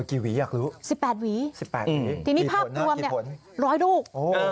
กี่หวีอยากรู้สิบแปดหวีทีนี้ภาพรวมเนี่ยร้อยลูก